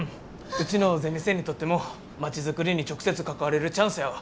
うちのゼミ生にとってもまちづくりに直接関われるチャンスやわ。